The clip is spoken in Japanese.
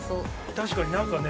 確かに何かね。